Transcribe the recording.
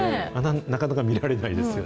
なかなか見られないですよね。